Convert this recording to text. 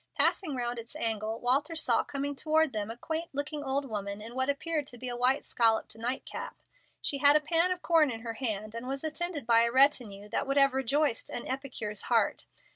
Passing round its angle, Walter saw coming toward them a quaint looking old woman, in what appeared to be a white scalloped nightcap. She had a pan of corn in her hand, and was attended by a retinue that would have rejoiced an epicure's heart.